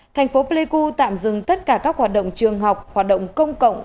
thành phố pleiku tạm dừng tất cả các hoạt động trường học hoạt động công cộng